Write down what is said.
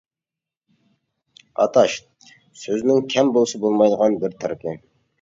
«ئاتاش» سۆزنىڭ كەم بولسا بولمايدىغان بىر تەرىپى.